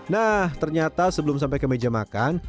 nah ternyata sebelum sampai ke meja makan